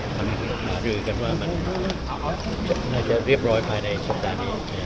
มันหารือกันว่ามันน่าจะเรียบร้อยภายในสัปดาห์นี้